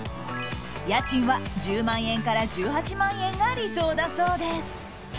家賃は１０万円から１８万円が理想だそうです。